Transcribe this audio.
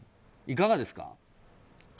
いかがですか？